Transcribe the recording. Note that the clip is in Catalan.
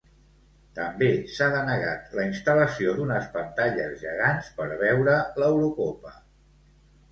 També s'ha denegat la instal·lació d'unes pantalles gegants per veure l'Eurocopa.